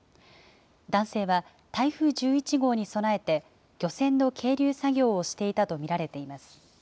男性は台風１１号に備えて、漁船の係留作業をしていたと見られています。